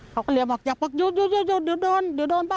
แล้วมัน